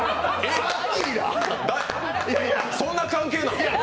そんな関係なの？